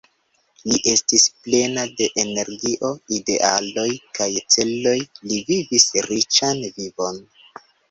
Li estis plena de energio, idealoj kaj celoj, li vivis riĉan vivon.